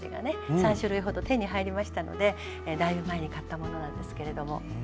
３種類ほど手に入りましたのでだいぶ前に買ったものなんですけれども。